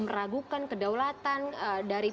meragukan kedaulatan dari